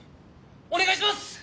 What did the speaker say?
お願いします！